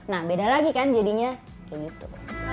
nah beda lagi kan jadinya kayak gitu